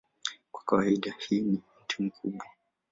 Kwa kawaida hii ni miti mikubwa.